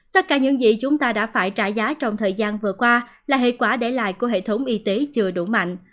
tất cả những gì chúng ta đã phải trả giá trong thời gian vừa qua là hệ quả để lại của hệ thống y tế chưa đủ mạnh